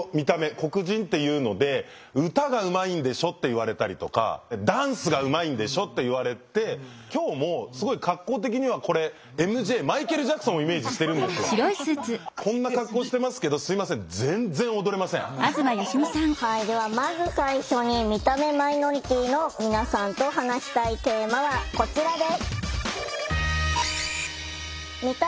黒人っていうので「歌がうまいんでしょ」って言われたりとか「ダンスがうまいんでしょ」って言われてはいではまず最初に見た目マイノリティーの皆さんと話したいテーマはこちらです。